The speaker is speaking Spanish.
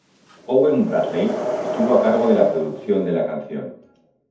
Owen Bradley estuvo a cargo de la producción de la canción.